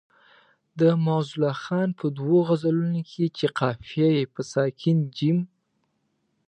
د معزالله خان په دوو غزلونو کې چې قافیه یې په ساکن جیم.